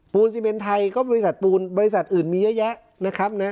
ซีเมนไทยก็บริษัทปูนบริษัทอื่นมีเยอะแยะนะครับนะ